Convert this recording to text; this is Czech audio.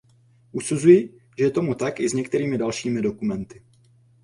Usuzuji, že je tomu tak i s některými dalšími dokumenty.